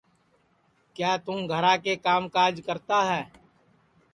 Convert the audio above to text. کیا توں گھرا کے کام کاج کرتا ہے